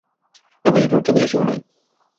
এ budget উচ্চাভিলাষীও নয়।